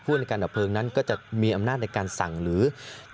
ในการดับเพลิงนั้นก็จะมีอำนาจในการสั่งหรือ